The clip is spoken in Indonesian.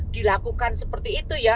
dilakukan seperti itu ya